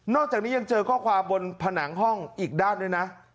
จากนี้ยังเจอข้อความบนผนังห้องอีกด้านด้วยนะ